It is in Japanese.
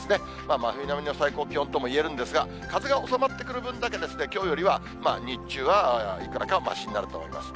真冬並みの最高気温ともいえるんですが、風が収まってくる分だけ、きょうよりは日中はいくらかましになると思います。